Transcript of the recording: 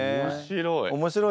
面白い。